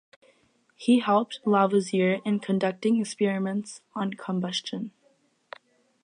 He helped Lavoisier in conducting experiments on combustion.